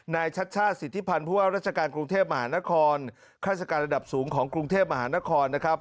ชัดชาติสิทธิพันธ์ผู้ว่าราชการกรุงเทพมหานครข้าราชการระดับสูงของกรุงเทพมหานครนะครับ